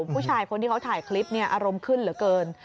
ผู้ชายคนที่เขาถ่ายคลิปเนี่ยอารมณ์ขึ้นเหลือเกิน